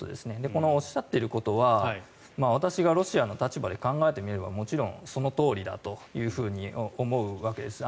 このおっしゃっていることは私がロシアの立場で考えてみればもちろんそのとおりだと思うわけです。